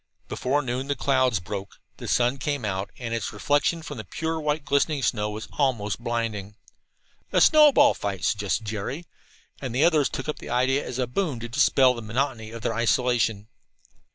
Before noon the clouds broke, the sun came out, and its reflection from the pure white glistening snow was almost blinding. "A snowball fight," suggested Jerry, and the others took up the idea as a boon to dispel the monotony of their isolation.